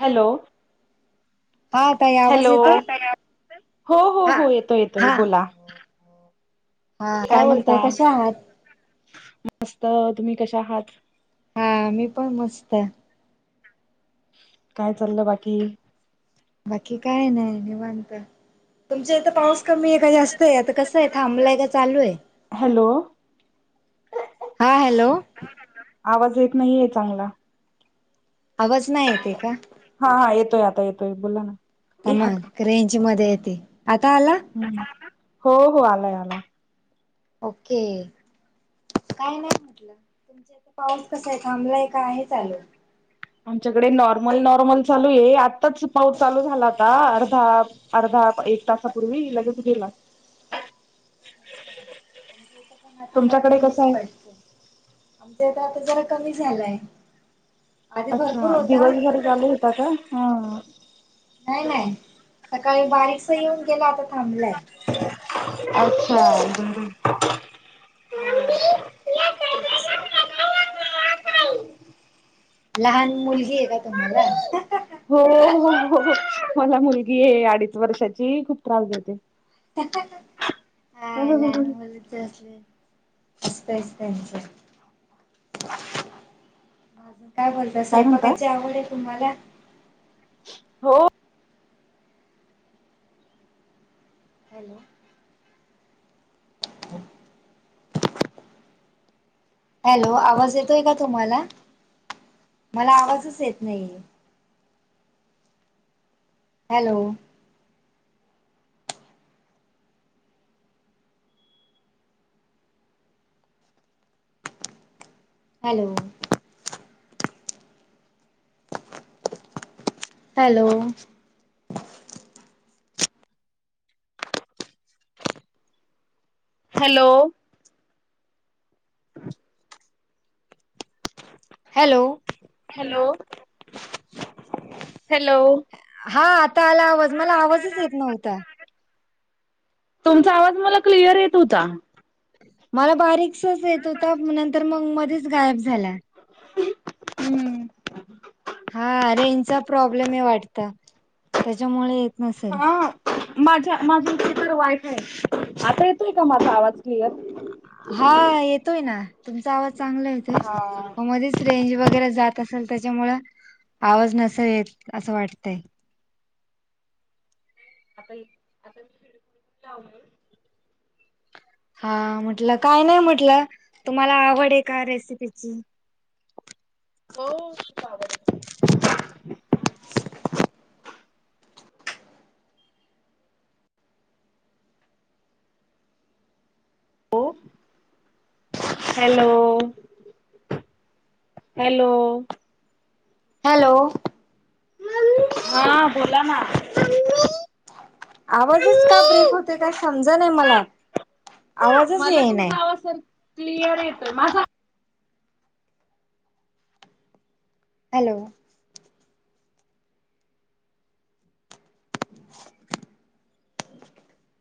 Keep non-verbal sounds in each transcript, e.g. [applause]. Hello हा ताई आवाज हॅलो येतोय? हो, हो, हा हो येतोय, येतोय हा. बोला हा काय बोलताय म्हणता कशा आहात? मस्त तुम्ही कशा आहात? हा मी पण मस्तये काय चाललं बाकी? बाकी काय नाही निवांत तुमचा इथ पाऊस कमी आहे का जास्त आहे आता कसं आहे थांबलाय का चालू आहे हॅलो हा हॅलो आवाज येत नाहीये चांगला आवाज नाही येते का? हा, हा येतोय आता येतोय बोला ना ए थांबा हात रेंज मध्ये येते आता आला हो, हो आलाय, आलाय ओके काय नाही तुमच्या पाऊस कसा आहे थांबलाय का आहे चालू? आमच्याकडे नॉर्मल, नॉर्मल चालू आहे आत्ताच पाऊस चालू झाला आता अर्धा अर्धा एक तासापूर्वी लगेच गेला आमच्या इथ पण आता जरा तुमच्याकडे कसं कमीच आहे पाड आमच्या इथं आता जरा कमी झालाय आधी अच्छा भरपूर होता दिवसभर चालू होता का? ह नाही नाही सकाळी बारीकसा येऊन गेलाय आता थांबलाय अच्छा बरं हा तेच लहान मुलगी हेका तुम्हाला? हो हो हो मला मुलगीय अडीच वर्षाची खूप त्रास देते हा लहान काय मुलच असले असतयचं त्यांचं मग अजून काय बोल म्हणता? स्वयपाकायची आवडेय तुम्हाला? हो हॅलो [inaudible] हॅलो आवाज येतोय का तुम्हाला? मला आवाजच येत नाहीये. Hello hello hello hello hello hello hello हा आता आला आवाज मला आवाजच येत नव्हता तुमचा आवाज मला क्लिअर येत हुता. मला बारीकसाच येत होता नंतर मंग मध्येच गायब झाला. हम्म हा रेंजचा प्रॉब्लेम आहे वाटत त्याच्यामुळे नसेल हा माझ्या माझं इथे तर वायफाय आहे आता येतोय का माझा आवाज क्लिअर हा येतोय ना तुमचा आवाज चांगला येतोय हा. मं मध्येच रेंज वगैरे जात असेल त्याच्यामुळं आवाज नसेल येत असं वाटतय आता आता हेडफोन लावलोय हा म्हटलं काय नाही म्हटलं तुम्हाला आवड आहे का रेसिपीची हो खूप आवड आहे. [inaudible] हो हॅलो हॅलो हॅलो हा बोला ना आवाजच का ब्रेक होतोय का समजना मला आवाजच मला येईना तुमचा आवाज सर क्लिअर येतोय माझा हॅलो [inaudible]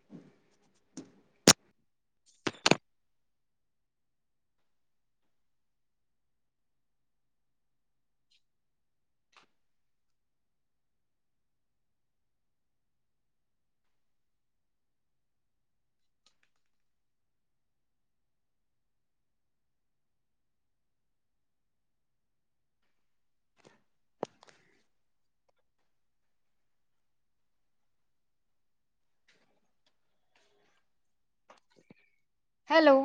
हॅलो